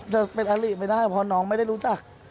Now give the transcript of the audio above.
จะเป็นอลิไม่ได้เพราะน้องไม่ได้รู้จัก